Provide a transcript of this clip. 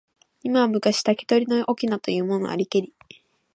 今は昔、竹取の翁というものありけり。